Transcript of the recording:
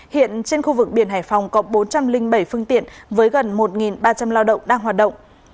hiện trên khu vực biển hải phòng có bốn trăm linh bảy phương tiện với gần một ba trăm linh lao động đang hoạt động